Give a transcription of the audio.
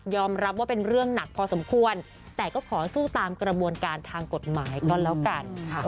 รับว่าเป็นเรื่องหนักพอสมควรแต่ก็ขอสู้ตามกระบวนการทางกฎหมายก็แล้วกัน